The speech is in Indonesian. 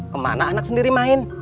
kemana anak sendiri main